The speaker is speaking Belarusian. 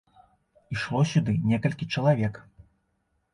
Ішло сюды некалькі чалавек.